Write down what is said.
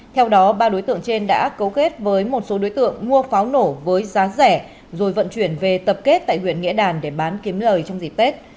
theo đó ba đối tượng trên đã cấu kết với một số đối tượng mua pháo nổ với giá rẻ rồi vận chuyển về tập kết tại huyện nghĩa đàn để bán kiếm lời trong dịp tết